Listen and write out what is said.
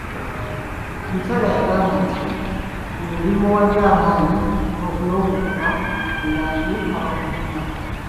Omukyala yagamba ekimu ku bimuwadde amaanyi n’okuguma be bantu abamugumya.